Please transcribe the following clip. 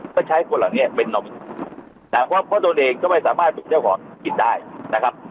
ก็ใช้คนเหล่านี้เป็นนมนะครับเพราะตนเองก็ไม่สามารถฝึกเจ้าของกินได้นะครับ